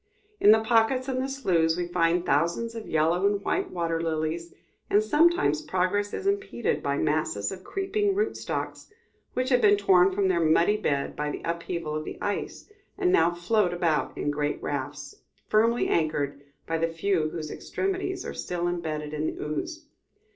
In the pockets and the sloughs, we find thousands of yellow and white water lilies, and sometimes progress is impeded by masses of creeping root stalks which have been torn from their muddy bed by the upheaval of the ice, and now float about in great rafts, firmly anchored by the few whose extremities are still imbedded in the ooze.